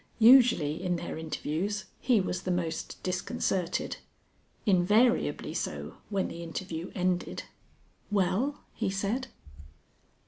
Usually in their interviews he was the most disconcerted. Invariably so when the interview ended. "Well?" he said.